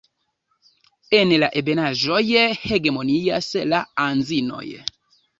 En la ebenaĵoj hegemonias la anzinoj.